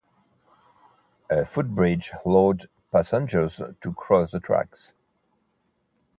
A footbridge allowed passengers to cross the tracks.